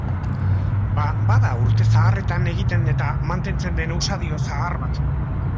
Ba bada urte zaharretan egiten eta mantentzen den usadio zahar bat.